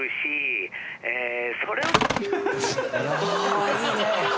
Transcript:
ああいいね！